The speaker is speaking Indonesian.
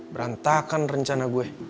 berantakan rencana gue